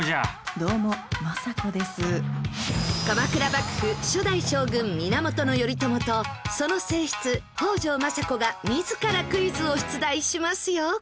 鎌倉幕府初代将軍源頼朝とその正室北条政子が自らクイズを出題しますよ！